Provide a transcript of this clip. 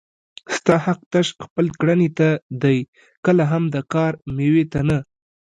ستا حق تش خپل کړنې ته دی کله هم د کار مېوې ته نه